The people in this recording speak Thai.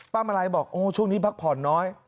มาลัยบอกโอ้ช่วงนี้พักผ่อนน้อย